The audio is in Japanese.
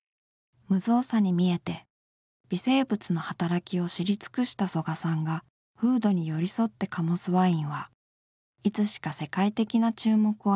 無造作に見えて微生物の働きを知り尽くした曽我さんが風土に寄り添って醸すワインはいつしか世界的な注目を集め